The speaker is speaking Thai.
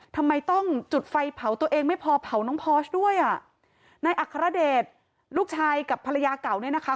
ทำไมต้องจุดไฟเผาตัวเองไม่พอเผาน้องพอชด้วยอ่ะนายอัครเดชลูกชายกับภรรยาเก่าเนี่ยนะคะ